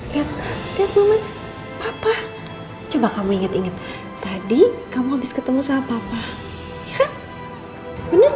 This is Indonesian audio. lihat lihat mamanya papa coba kamu inget inget tadi kamu habis ketemu sama papa ya kan bener gak